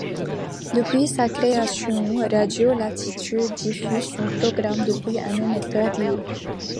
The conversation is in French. Depuis sa création, Radio Latitude diffuse son programme depuis un émetteur libre.